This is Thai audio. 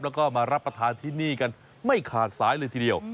แล้วก็มารับประทานที่นี่กันไม่ขาดสายเลยทีเดียว